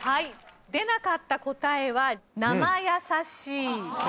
出なかった答えは「なまやさしい」。